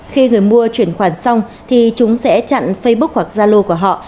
khi người mua chuyển khoản xong thì chúng sẽ chặn facebook hoặc zalo của họ